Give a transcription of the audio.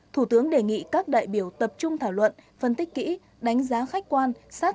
thủ tướng đề nghị các đại biểu tập trung thảo luận phân tích kỹ đánh giá khách quan sát